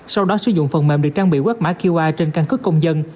sau đó sử dụng phần mềm được trang bị quát mã qr trên căn cức công dân